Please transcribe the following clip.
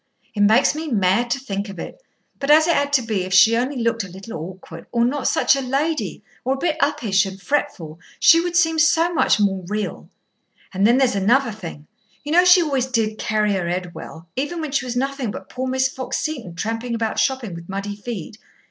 It makes me mad to think of it. But as it had to be, if she only looked a little awkward, or not such a lady, or a bit uppish and fretful, she would seem so much more real. And then there's another thing. You know she always did carry her head well, even when she was nothing but poor Miss Fox Seton tramping about shopping with muddy feet.